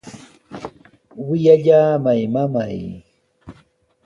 ¡Wiyallamay, mamay!